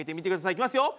いきますよ。